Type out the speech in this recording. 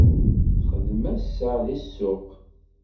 Texdem ass-a deg ssuq.